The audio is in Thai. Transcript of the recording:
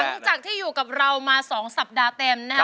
หลังจากที่อยู่กับเรามา๒สัปดาห์เต็มนะคะ